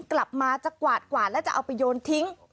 กลับมาจะกวาดกวาดแล้วจะเอาไปโยนทิ้ง